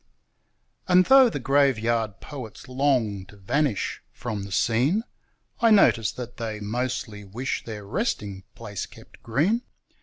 And though the graveyard poets long to vanish from the scene, I notice that they mostly wish their resting place kept green.